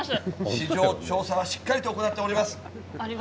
市場調査はしっかりと行っております。